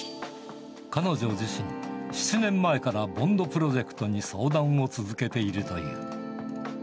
彼女自身、７年前からＢＯＮＤプロジェクトに相談を続けているという。